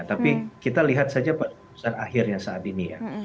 tapi kita lihat saja putusan akhirnya saat ini ya